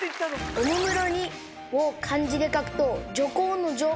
「おもむろに」を漢字で書くと徐行の「徐」。